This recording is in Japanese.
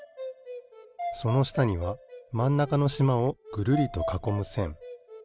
そのしたにはまんなかのしまをぐるりとかこむせん。